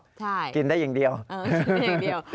ใช่คินได้อย่างเดียวเออคินได้อย่างเดียว